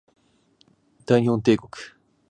大日本帝国